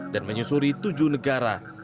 dan menyusuri tujuh negara